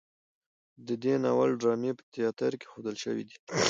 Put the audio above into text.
د دې ناول ډرامې په تیاتر کې ښودل شوي دي.